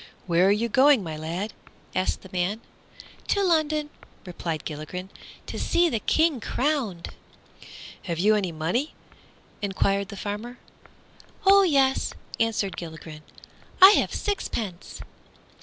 "Where are you going, my lad?" asked the man. "To London," replied Gilligren, "to see the King crowned." "Have you any money?" enquired the farmer. "Oh yes," answered Gilligren, "I have a sixpence."